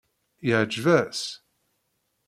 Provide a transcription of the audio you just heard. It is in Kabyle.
Iεǧeb-as?